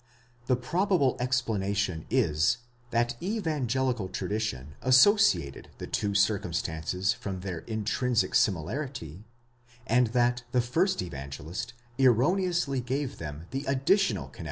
The probable explanation is, that evangelical tradition associated the two circumstances from their intrinsic similarity, and that the first Evangelist erroneously gave them the additional 15 Comp.